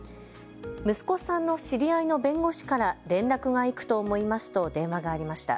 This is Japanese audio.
息子さんの知り合いの弁護士から連絡が行くと思いますと電話がありました。